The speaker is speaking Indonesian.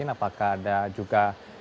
apakah ada juga